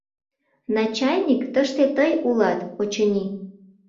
— Начальник тыште тый улат, очыни?